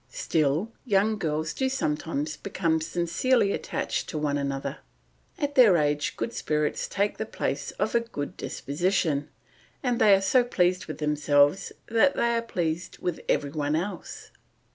Still young girls do sometimes become sincerely attached to one another. At their age good spirits take the place of a good disposition, and they are so pleased with themselves that they are pleased with every one else.